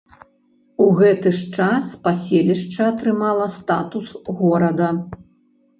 У гэты ж час паселішча атрымала статус горада.